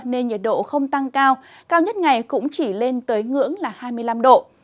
nên nhiệt độ không tăng cao cao nhất ngày cũng chỉ lên tới ngưỡng là hai mươi năm độ